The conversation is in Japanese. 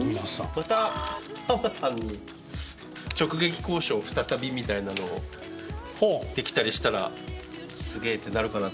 またハマさんに「直撃交渉再び！」みたいなのをできたりしたらすげえ！ってなるかなって。